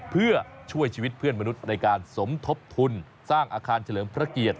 เพื่อช่วยชีวิตเพื่อนมนุษย์ในการสมทบทุนสร้างอาคารเฉลิมพระเกียรติ